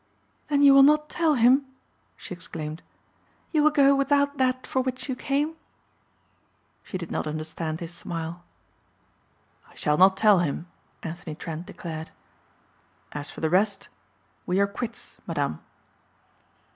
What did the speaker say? "Then you will not tell him?" she exclaimed. "You will go without that for which you came?" She did not understand his smile. "I shall not tell him," Anthony Trent declared. "As for the rest we are quits, Madame."